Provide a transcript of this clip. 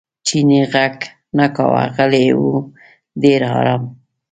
چیني غږ نه کاوه غلی و ډېر ارام.